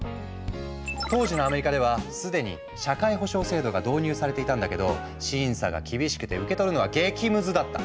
当時のアメリカでは既に社会保障制度が導入されていたんだけど審査が厳しくて受け取るのが激ムズだった。